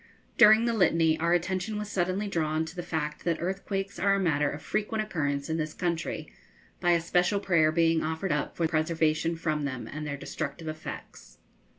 During the Litany our attention was suddenly drawn to the fact that earthquakes are matters of frequent occurrence in this country, by a special prayer being offered up for preservation from them and their destructive effects.